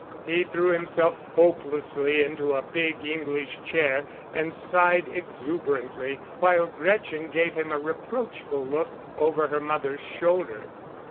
He threw himself hopelessly into a big English chair and sighed exuberantly, while Gretchen gave him a reproachful look over her mother's shoulder.